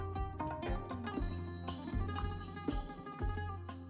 kami yangjdaskan ini pun